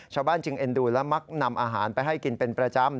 ชาวบ้านจึงเอ็นดูและมักนำอาหารไปให้กินเป็นประจำ